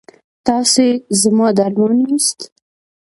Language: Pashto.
تاسې زما درمان یاست؟